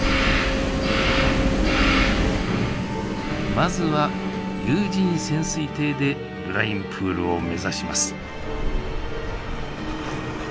まずは有人潜水艇でブラインプールを目指します。